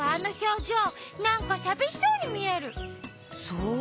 そう？